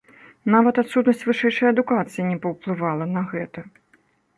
Нават адсутнасць вышэйшай адукацыі не паўплывала на гэта.